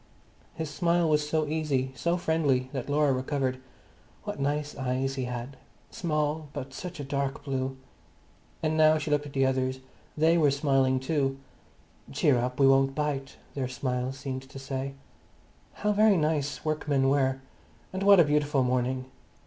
His smile was so easy, so friendly that Laura recovered. What nice eyes he had, small, but such a dark blue! And now she looked at the others, they were smiling too. "Cheer up, we won't bite," their smile seemed to say. How very nice workmen were! And what a beautiful morning!